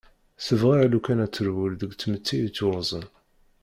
Tebɣa alukan ad terwel deg tmetti itt-yurzen.